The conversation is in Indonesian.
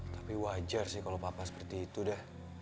tapi wajar sih kalau papa seperti itu dah